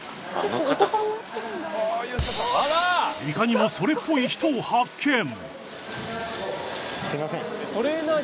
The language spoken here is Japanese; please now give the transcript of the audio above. いかにもそれっぽい人を発見。